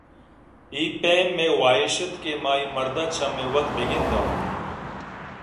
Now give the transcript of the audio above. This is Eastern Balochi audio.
اے پیم مئے واہش اَت کہ ما اےمرد ءَ چمےّ وت بہ گنداں